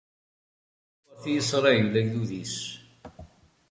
D lweṛt i Isṛayil, agdud-is.